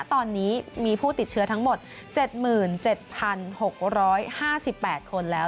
ตอนนี้มีผู้ติดเชื้อทั้งหมด๗๗๖๕๘คนแล้ว